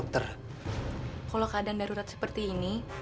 kalau keadaan darurat seperti ini